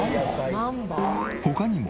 他にも。